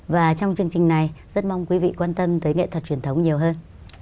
và trong chương trình này rất mong quý vị quan tâm tới nghệ thuật truyền thống nhiều hơn